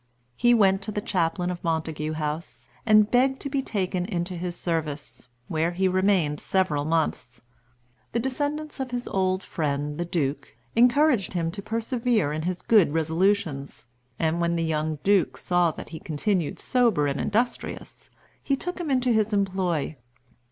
He went to the Chaplain of Montagu House, and begged to be taken into his service, where he remained several months. The descendants of his old friend, the Duke, encouraged him to persevere in his good resolutions; and when the young Duke saw that he continued sober and industrious, he took him into his employ.